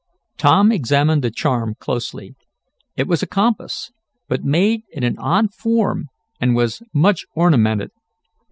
Tom examined the charm closely. It was a compass, but made in an odd form, and was much ornamented.